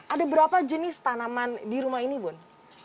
ada berapa jenis tanaman di rumah ini bun